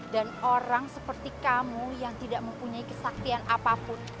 dan orang seperti kamu yang tidak mempunyai kesaktian apapun